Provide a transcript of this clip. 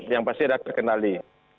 yang pasti sudah terkenali